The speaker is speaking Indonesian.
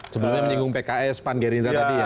sebelumnya menyinggung pks pan gantian